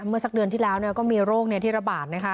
เมื่อสักเดือนที่แล้วก็มีโรคที่ระบาดนะคะ